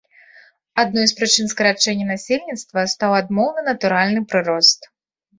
Адной з прычын скарачэння насельніцтва стаў адмоўны натуральны прырост.